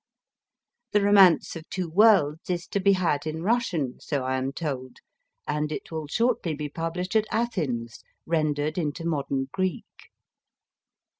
The * Romance of Two Worlds is to be had in Russian, so I am told ; and it will shortly be published at Athens, rendered into modern Greek.